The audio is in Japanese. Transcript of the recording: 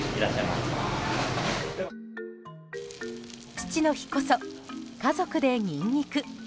父の日こそ家族でニンニク。